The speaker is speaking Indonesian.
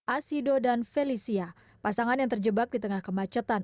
asido dan felicia pasangan yang terjebak di tengah kemacetan